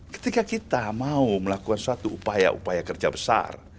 ketika kita mau melakukan suatu upaya upaya kerja besar